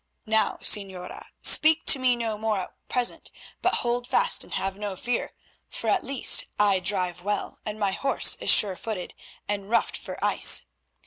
Now, Señora, speak to me no more at present, but hold fast and have no fear, for at least I drive well, and my horse is sure footed and roughed for ice.